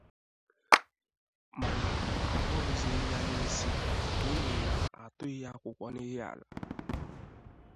mana a kpọruzịghị ya n'isi n'ihi na a tụghị akwụkwọ n'Ihiala